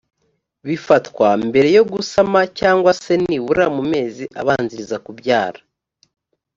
bifatwa mbereyo gusama cyangwa se nibura mu mezi abanziriza kubyara.